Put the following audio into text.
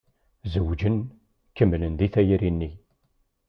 Zewǧen. Kemmlen di tayri-nni.